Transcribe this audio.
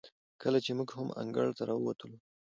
کله چې موږ هم انګړ ته راووتلو،